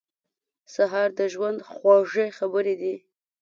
سهار د ژوند خوږې خبرې دي.